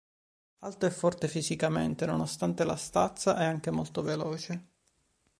Alto e forte fisicamente, nonostante la stazza è anche molto veloce.